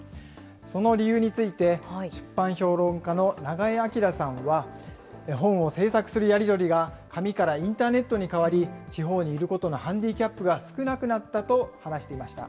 その理由について、出版評論家の永江朗さんは、本を制作するやり取りが紙からインターネットに変わり、地方にいることのハンディキャップが少なくなったと話していました。